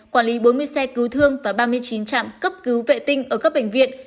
quản lý bốn mươi xe cứu thương và ba mươi chín trạm cấp cứu vệ tinh ở các bệnh viện